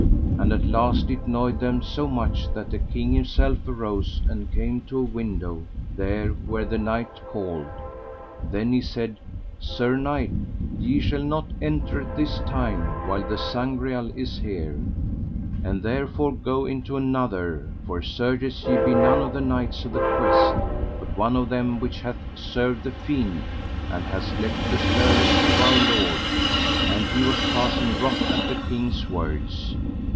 And at last it noyed them so much that the king himself arose and came to a window there where the knight called. Then he said: Sir knight, ye shall not enter at this time while the Sangreal is here, and therefore go into another; for certes ye be none of the knights of the quest, but one of them which hath served the fiend, and hast left the service of Our Lord: and he was passing wroth at the king's words.